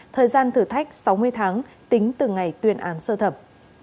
thời gian thử thách sáu mươi tháng tính từ ngày tuyên án sơ thẩm